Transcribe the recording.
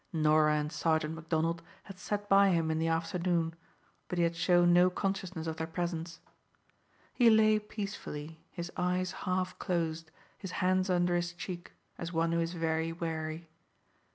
Norah and Sergeant Macdonald had sat by him in the afternoon, but he had shown no consciousness of their presence. He lay peacefully, his eyes half closed, his hands under his cheek, as one who is very weary.